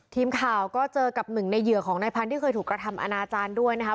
ทีมข่าวก็เจอกับหนึ่งในเหยื่อของนายพันธุ์ที่เคยถูกกระทำอนาจารย์ด้วยนะครับ